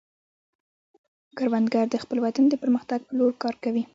کروندګر د خپل وطن د پرمختګ په لور کار کوي